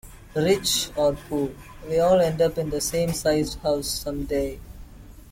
Rich or poor, we all end up in the same sized house someday.